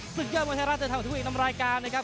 สุดยอดเมืองไทยรัฐเตอร์ธรรมทุกคนอีกน้ำรายการนะครับ